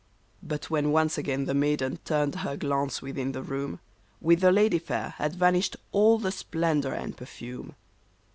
But when once again the maiden turnedher glance within the room, With the lady fair had vanished all the splendor and per fume.